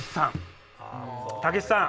たけしさん。